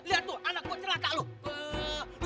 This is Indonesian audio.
lihat tuh anakku celaka lu